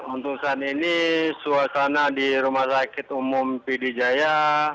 untuk saat ini suasana di rumah sakit umum pd jaya